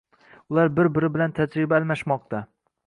Ular bir-biri bilan tajriba almashmoqda.